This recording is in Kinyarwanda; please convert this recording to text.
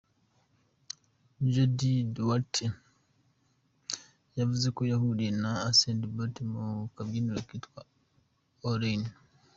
Jady Duarte yavuze ko yahuriye na Usain Bolt mu kabyiniro kitwa All In.